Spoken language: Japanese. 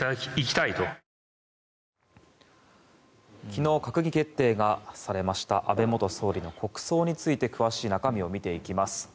昨日閣議決定がされました安倍元総理の国葬について詳しい中身を見ていきます。